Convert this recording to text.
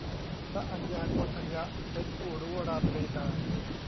พระอัญญาโกณฑัญญะ เป็นผู้รู้ราตรีนาน